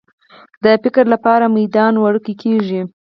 د فکر لپاره میدان وړوکی کېږي.